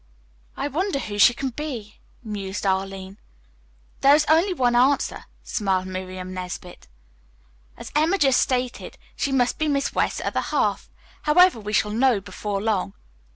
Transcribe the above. "I wonder who she can be," mused Arline. "There is only one answer," smiled Miriam Nesbit. "As Emma just stated, she must be Miss West's other half. However, we shall know before long."